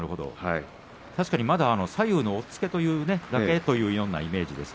確かにまだ左右の押っつけというようなイメージです。